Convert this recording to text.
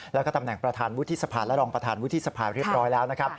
แล้วก็ตำแหน่งประธานวุฒิสภาและรองประธานวุฒิสภาเรียบร้อยแล้วนะครับ